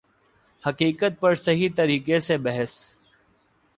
حقیقت پر صحیح طریقہ سے بحث